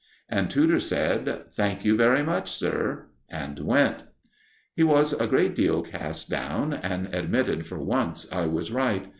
And Tudor said: "Thank you very much, sir," and went. He was a great deal cast down, and admitted, for once, I was right.